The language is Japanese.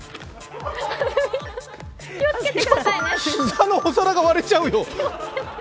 膝のお皿が割れちゃうよ！